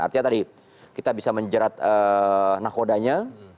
artinya tadi kita bisa menjerat nakodanya